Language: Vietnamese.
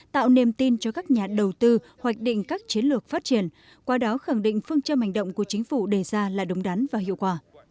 tạo niềm tin cho các nhà đầu tư hoạch định các chiến lược phát triển qua đó khẳng định phương châm hành động của chính phủ đề ra là đúng đắn và hiệu quả